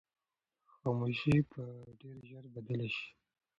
خاموشي به ډېر ژر بدله شي.